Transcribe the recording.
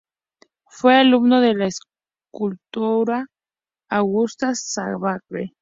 Fue alumno de la escultora Augusta Savage.